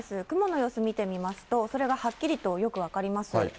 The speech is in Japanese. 雲の様子見てみますと、それがはっきりとよく分かります。